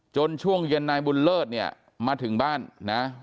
ช่วงเย็นนายบุญเลิศเนี่ยมาถึงบ้านนะ